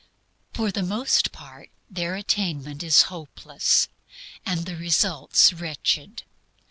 For the most part their attainment is hopeless and the results wretched.